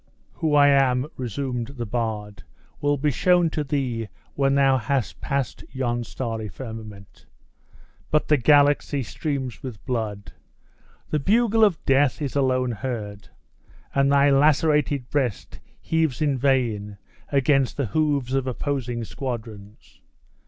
"Who I am," resumed the bard, "will be sthown to thee when thou hast passed yon starry firmament. But the galaxy streams with blood; the bugle of death is alone heard; and thy lacerated breast heaves in vain against the hoofs of opposing squadrons.